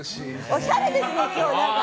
おしゃれですね、今日何か。